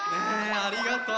ありがとう！